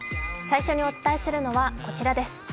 最初にお伝えするのはこちらです。